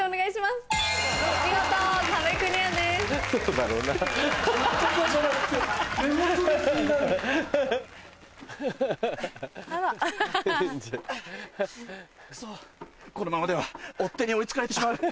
クソこのままでは追っ手に追い付かれてしまう。